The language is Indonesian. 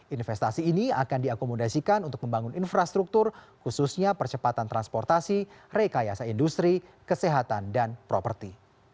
investasi ini akan diakomodasikan untuk membangun infrastruktur khususnya percepatan transportasi rekayasa industri kesehatan dan properti